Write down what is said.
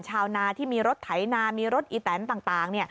ชาวนาที่มีรถไถนามีรถอีแตนต่าง